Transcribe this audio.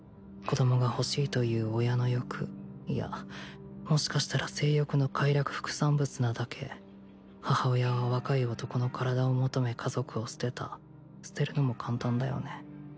子供がほしいという親の欲いやもしかしたら性欲の快楽副産物なだけ母親は若い男の体を求め家族を捨てた捨てるのも簡単だよね